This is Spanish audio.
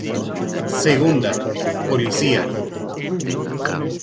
Segunda: Policía.